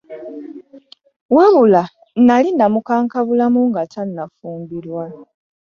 Wabula nnali namukankabulamu nga tannafumbirwa.